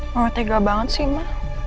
mama tega banget sih ma